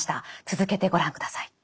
続けてご覧ください。